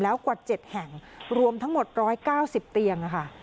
แล้วกว่า๗แห่งรวมทั้งหมด๑๙๐เตียงค่ะ